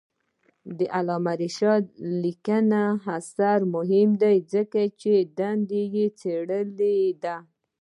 د علامه رشاد لیکنی هنر مهم دی ځکه چې دنده یې څېړنه ده.